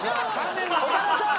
岡田さん！